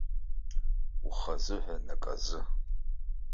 Ухазыҳәан аказы.